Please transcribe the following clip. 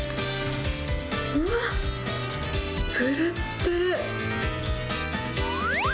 うわっ、ぷるっぷる。